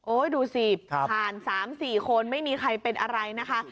ดูสิผ่าน๓๔คนไม่มีใครเป็นอะไรนะคะ